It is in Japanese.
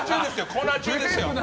コーナー中ですよ。